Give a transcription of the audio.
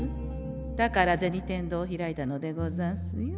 だから銭天堂を開いたのでござんすよ。